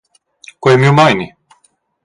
Quei ei miu meini.